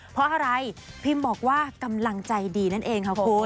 เพราะอะไรพิมบอกว่ากำลังใจดีนั่นเองค่ะคุณ